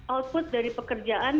output dari pekerjaan